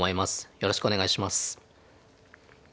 よろしくお願いします。